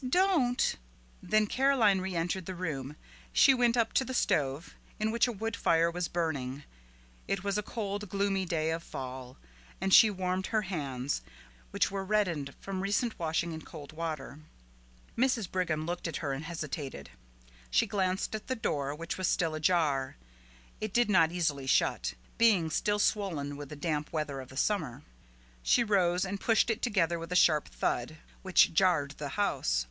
Don't!" Then Caroline reentered the room; she went up to the stove, in which a wood fire was burning it was a cold, gloomy day of fall and she warmed her hands, which were reddened from recent washing in cold water. Mrs. Brigham looked at her and hesitated. She glanced at the door, which was still ajar; it did not easily shut, being still swollen with the damp weather of the summer. She rose and pushed it together with a sharp thud, which jarred the house.